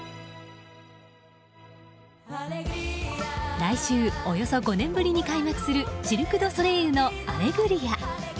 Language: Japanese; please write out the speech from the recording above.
来週およそ５年ぶりに開幕するシルク・ドゥ・ソレイユの「アレグリア」。